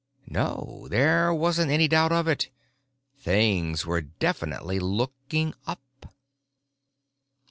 No, there wasn't any doubt of it. Things were definitely looking up!